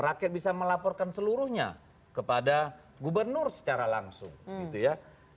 rakyat bisa melaporkan seluruhnya kepada gubernur secara langsung gitu ya